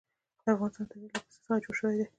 د افغانستان طبیعت له پسه څخه جوړ شوی دی.